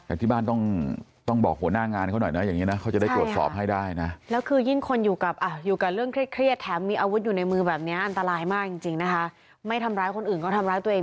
แต่ที่บ้านต้องต้องบอกหัวหน้างานเขาหน่อยนะ